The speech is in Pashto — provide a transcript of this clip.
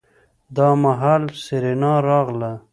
دا مهال سېرېنا راغله.